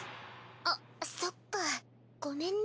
あっそっかごめんね。